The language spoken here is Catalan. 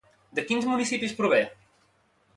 De quins municipis prové?